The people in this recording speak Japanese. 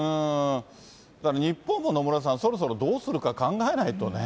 日本も野村さん、そろそろどうするか考えないとね。